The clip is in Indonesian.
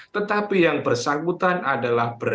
tetapi yang bersangkutan adalah berada